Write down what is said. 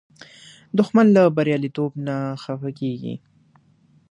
دښمن له بریالیتوب نه خفه کېږي